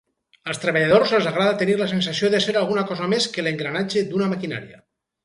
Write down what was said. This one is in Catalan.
Als treballadors els agrada tenir la sensació de ser alguna cosa més que l'engranatge d'una maquinaria.